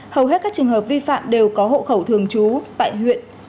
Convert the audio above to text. hầu hết các trường hợp vi phạm đều có hộ khẩu thường trú tại huyện